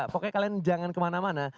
pokoknya kalian jangan kemana mana